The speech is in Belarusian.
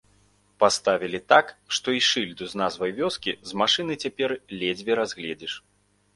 Паставілі так, што й шыльду з назвай вёскі з машыны цяпер ледзьве разгледзіш.